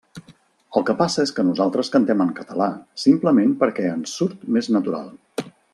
El que passa és que nosaltres cantem en català, simplement perquè ens surt més natural.